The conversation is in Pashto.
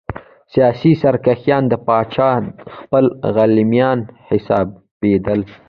سیاسي سرکښان د پاچا خپل غلیمان حسابېدل.